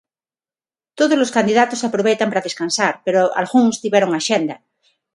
Todos os candidatos aproveitan para descansar, pero algúns tiveron axenda.